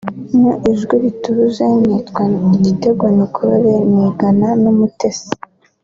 (Mu ijwi rituje ) Nitwa Igitego Nikole nigana n’Umutesi